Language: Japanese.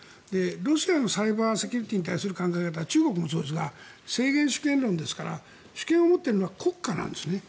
ロシアのサイバーセキュリティーに対する考え方は中国もそうですが主権論ですから主権を持っているのは国家なんですね。